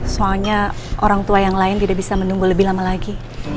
soalnya orang tua yang lain tidak bisa menunggu lebih lama lagi